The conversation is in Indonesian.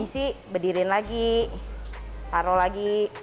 udah isi bedirin lagi taruh lagi